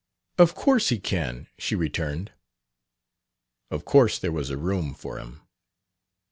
"Of course he can," she returned. Of course there was a room for him.